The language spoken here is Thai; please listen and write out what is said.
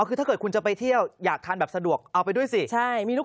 คือถ้าเกิดคุณจะไปเที่ยวอยากทานแบบสะดวกเอาไปด้วยสิใช่มีลูก